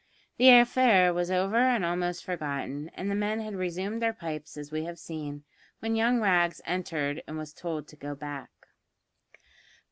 The affair was over and almost forgotten, and the men had resumed their pipes, as we have seen, when young Rags entered and was told to go back.